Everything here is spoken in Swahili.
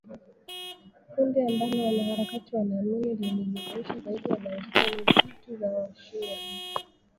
kundi ambalo wanaharakati wanaamini lilijumuisha zaidi ya darzeni tatu za wa-shia